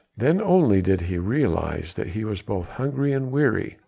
Then only did he realise that he was both hungry and weary.